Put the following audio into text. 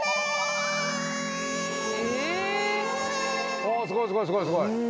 あすごいすごいすごいすごい。